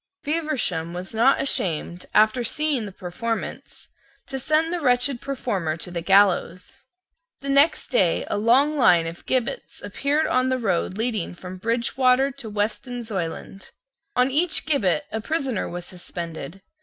Feversham was not ashamed, after seeing the performance, to send the wretched performer to the gallows. The next day a long line of gibbets appeared on the road leading from Bridgewater to Weston Zoyland. On each gibbet a prisoner was suspended.